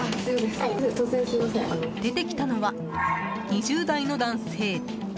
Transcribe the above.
出てきたのは２０代の男性。